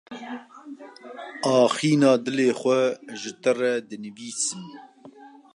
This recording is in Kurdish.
Axîna dilê xwe ji te re dinivîsim.